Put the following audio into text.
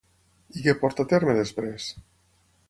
I què porta a terme després?